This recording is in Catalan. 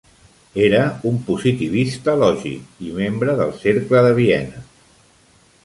Era un positivista lògic i membre del Cercle de Viena.